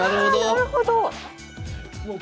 なるほど。